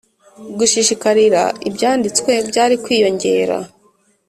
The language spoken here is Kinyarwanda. . Gushishikarira Ibyanditswe byari kwiyongera